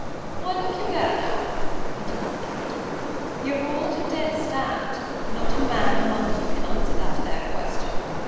"Why, look you there now," continued the Captain, "you're all at a dead stand! not a man among you can answer that there question.